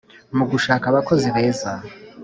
mu gushaka abakozi beza